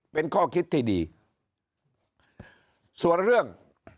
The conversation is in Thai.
เป็นข้อคิดที่ดีส่วนเรื่อง